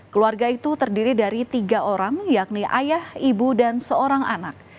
keluarga itu terdiri dari tiga orang yakni ayah ibu dan seorang anak